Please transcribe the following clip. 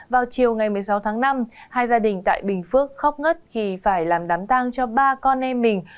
vào chiều ngày một mươi sáu tháng năm hai gia đình tại bình phước khóc ngất khi phải làm đám tang cho ba con em mình